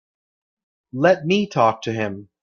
Let me talk to him.